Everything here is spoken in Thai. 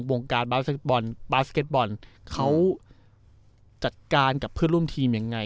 วงการบาสเก็ตบอลบาสเก็ตบอลเขาจัดการกับเพื่อนร่วมทีมยังไง